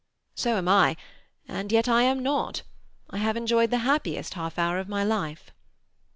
"So am I—and yet I am not. I have enjoyed the happiest half hour of my life."